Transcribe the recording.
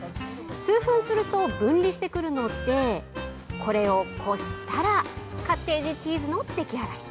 数分すると分離してくるのでこれを、こしたらカッテージチーズの出来上がり。